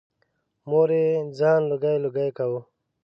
مور یې ځان لوګی لوګی کاوه.